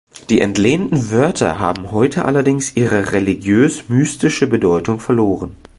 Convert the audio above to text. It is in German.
Die entlehnten Wörter haben heute allerdings ihre religiös-mystische Bedeutung verloren.